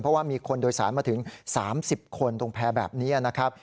เพราะว่ามีคนโดยสารมาถึง๓๐คนตรงแพร่แบบนี้นะครับ